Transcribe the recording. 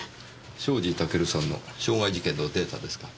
庄司タケルさんの傷害事件のデータですか。